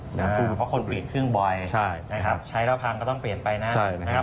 เพราะคนเปลี่ยนครึ่งบ่อยนะครับใช้แล้วพังก็ต้องเปลี่ยนไปนะครับ